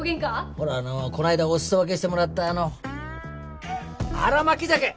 ほらあのこの間お裾分けしてもらった新巻鮭！